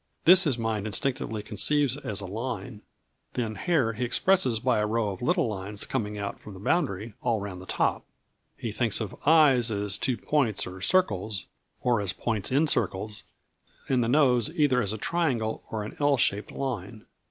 This his mind instinctively conceives as a line. Then, hair he expresses by a row of little lines coming out from the boundary, all round the top. He thinks of eyes as two points or circles, or as points in circles, and the nose either as a triangle or an L shaped line.